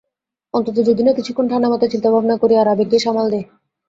অন্তত যদি না কিছুক্ষণ ঠান্ডা মাথায় চিন্তাভাবনা করি, আর আবেগকে সামাল দেই।